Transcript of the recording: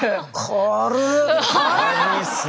軽いっすね。